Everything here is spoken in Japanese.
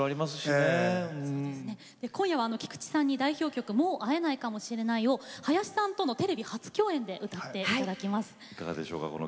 今夜は菊池さんに「もう逢えないかもしれない」林さんとテレビ初共演で歌っていただきます。